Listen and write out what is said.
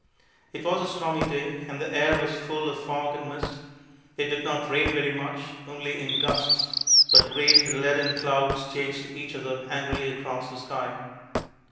It was a stormy day and the air was full of fog and mist. It did not rain very much, only in gusts, but great leaden clouds chased each other angrily across the sky.